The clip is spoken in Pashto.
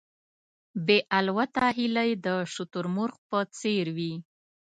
بې الوته هیلۍ د شتر مرغ په څېر وې.